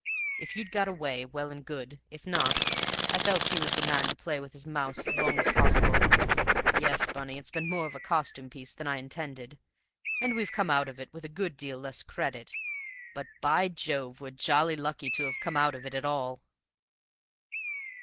If you'd got away, well and good; if not, I felt he was the man to play with his mouse as long as possible. Yes, Bunny, it's been more of a costume piece than I intended, and we've come out of it with a good deal less credit. But, by Jove, we're jolly lucky to have come out of it at all!"